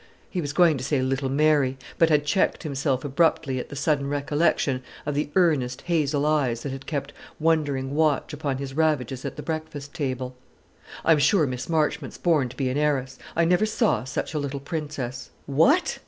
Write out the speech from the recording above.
He was going to say "little Mary," but had checked himself abruptly at the sudden recollection of the earnest hazel eyes that had kept wondering watch upon his ravages at the breakfast table. "I'm sure Miss Marchmont's born to be an heiress. I never saw such a little princess." "What!"